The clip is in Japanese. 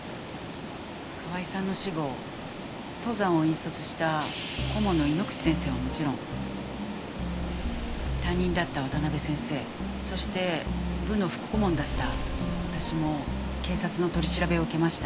河合さんの死後登山を引率した顧問の井ノ口先生はもちろん担任だった渡辺先生そして部の副顧問だった私も警察の取り調べを受けました。